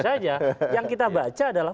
saja yang kita baca adalah